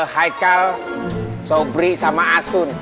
haikal sobri sama asun